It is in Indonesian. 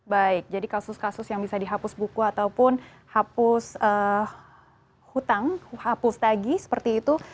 baik jadi kasus kasus yang bisa dihapus buku ataupun hapus hutang hapus tagi seperti itu